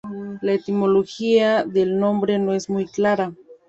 La etimología del nombre no es muy clara.